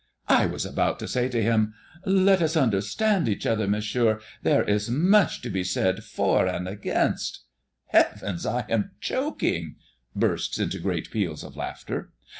] I was about to say to him, 'Let us understand each other, Monsieur; there is much to be said for and against.' Heavens! I am choking! [Bursts into great peals of laughter.